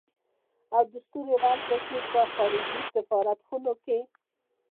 او دستور يې ورکړ چې په خارجي سفارت خانو کې.